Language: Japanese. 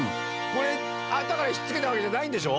これあとから引っ付けたわけじゃないんでしょ？